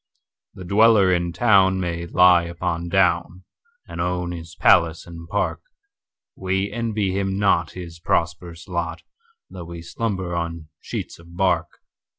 The dweller in town may lie upon down, And own his palace and park:We envy him not his prosperous lot, Though we slumber on sheets of bark.